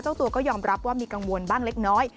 เจ้าตัวก็ยอมรับว่ามีกังวลบ้างเล็กน้อย